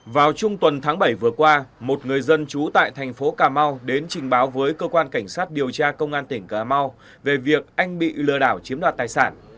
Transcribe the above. vào trung tuần tháng bảy vừa qua một người dân trú tại thành phố cà mau đến trình báo với cơ quan cảnh sát điều tra công an tỉnh cà mau về việc anh bị lừa đảo chiếm đoạt tài sản